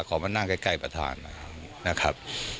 มานั่งใกล้ประธานนะครับ